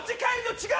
違う。